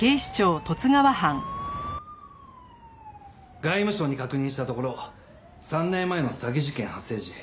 外務省に確認したところ３年前の詐欺事件発生時